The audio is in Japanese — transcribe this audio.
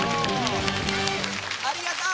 ありがとう。